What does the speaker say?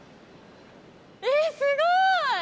えっすごい！